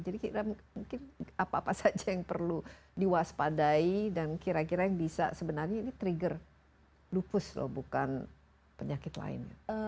jadi kita mungkin apa apa saja yang perlu diwaspadai dan kira kira yang bisa sebenarnya ini trigger lupus lho bukan penyakit lain